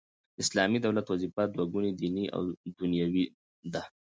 د اسلامي دولت وظیفه دوه ګونې دیني او دنیوې ده.